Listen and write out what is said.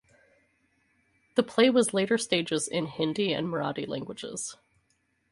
The play was later stages in Hindi and Marathi languages.